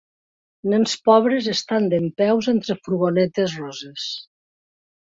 Nens pobres estan dempeus entre furgonetes roses.